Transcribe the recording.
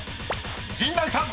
［陣内さん］